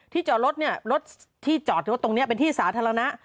จอดรถเนี่ยรถที่จอดรถตรงนี้เป็นที่สาธารณะ